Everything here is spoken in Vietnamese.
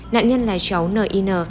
nạn nhân là cháu nin